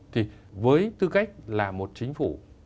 thì với tư cách là một chính phủ